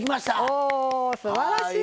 おすばらしい！